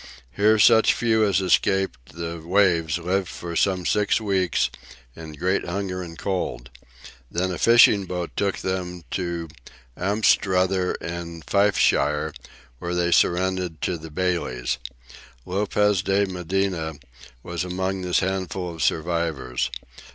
Here such few as escaped the waves lived for some six weeks in "great hunger and cold." Then a fishing boat took them to Anstruther in Fifeshire, where they surrendered to the bailies. Lopez de Medina was among this handful of survivors.